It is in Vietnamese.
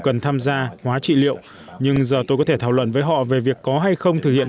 cần tham gia hóa trị liệu nhưng giờ tôi có thể thảo luận với họ về việc có hay không thực hiện